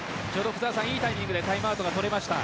いいタイミングでタイムアウトが取れました。